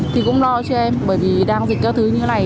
thì cũng lo cho em bởi vì đang dịch các thứ như thế này